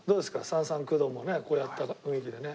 三々九度もねこうやった雰囲気でね。